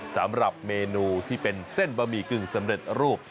สำหรับเมนูที่เป็นเส้นบะหมี่กึ่งสำเร็จรูป